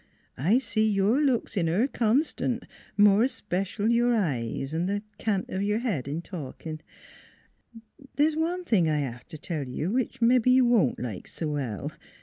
I see your looks in her constant, more especial your eyes & the cant of the head in talking. ' There is one thing I have to tell you which mebbe you wont like so well.